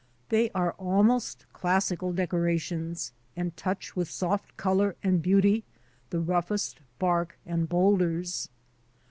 They are almost classical decorations and touch with soft colour and beauty the roughest bark and boulders.